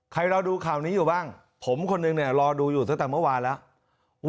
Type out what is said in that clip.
ใครรอดูข่าวนี้อยู่บ้างผมคนหนึ่งเนี่ยรอดูอยู่ตั้งแต่เมื่อวานแล้ว